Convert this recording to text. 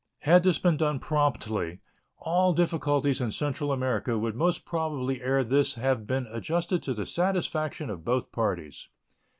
Had this been done promptly, all difficulties in Central America would most probably ere this have been adjusted to the satisfaction of both parties.